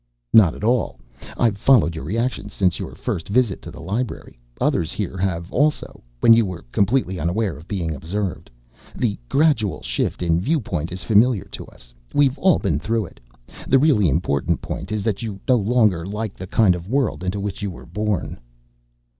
"Not at all. I've followed your reactions since your first visit to the library. Others here have also when you were completely unaware of being observed. The gradual shift in viewpoint is familiar to us. We've all been through it. The really important point is that you no longer like the kind of world into which you were born."